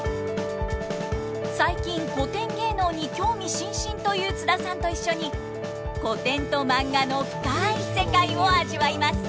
最近古典芸能に興味津々という津田さんと一緒に古典とマンガの深い世界を味わいます。